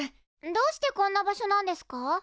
どうしてこんな場所なんですか？